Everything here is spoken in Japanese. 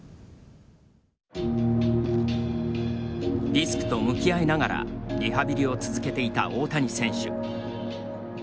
リスクと向き合いながらリハビリを続けていた大谷選手。